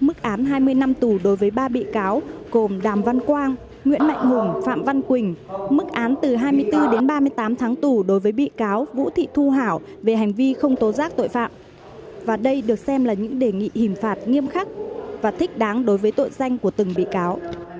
mức án hai mươi năm tù đối với ba bị cáo gồm đàm văn quang nguyễn mạnh hùng phạm văn quỳnh mức án từ hai mươi bốn đến ba mươi tám tháng tù đối với bị cáo vũ thị thu hảo về hành vi không tố giác tội phạm và đây được xem là những đề nghị hình phạt nghiêm khắc và thích đáng đối với tội danh của từng bị cáo